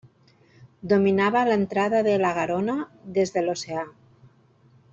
Dominava l'entrada a la Garona des de l'oceà.